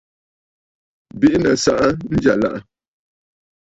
Bìʼinə̀ saʼa njyàlàʼà.